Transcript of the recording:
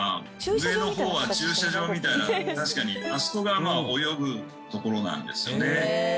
上の方は駐車場みたいなあそこが泳ぐところなんですよね。